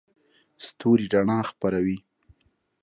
ستوري رڼا خپروي.